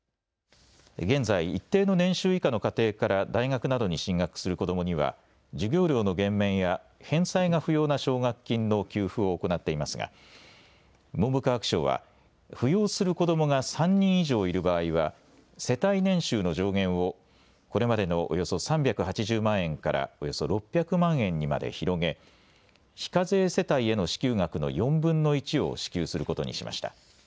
現在、一定の年収以下の家庭から大学などに進学する子どもには授業料の減免や返済が不要な奨学金の給付を行っていますが文部科学省は扶養する子どもが３人以上いる場合は世帯年収の上限をこれまでのおよそ３８０万円からおよそ６００万円にまで広げ、非課税世帯への支給額の４分の１を支給することにしました。